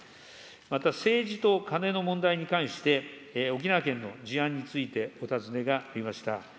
また、政治とカネの問題に関して、沖縄県の事案についてお尋ねがありました。